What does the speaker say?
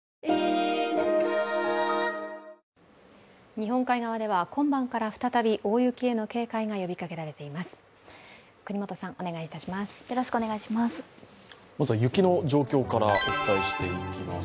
日本海側では今晩から再び大雪への警戒が呼びかけられています。